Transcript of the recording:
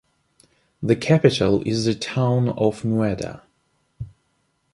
The capital is the town of Mueda.